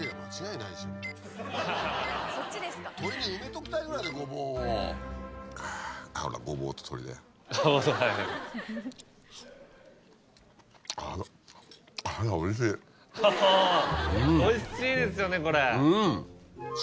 おぉおいしいですよねこれ。うん！